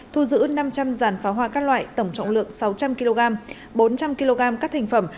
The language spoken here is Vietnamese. thu giữ năm trăm linh dàn pháo hoa các loại tổng trọng lượng sáu trăm linh kg bốn trăm linh kg các thành phẩm